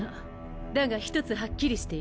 だが１つはっきりしている。